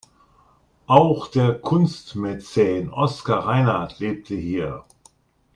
Auch der Kunstmäzen Oskar Reinhart lebte hier.